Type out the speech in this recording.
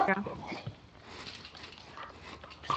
许多程序员认为这些语言为了速度所付出的代价太大了。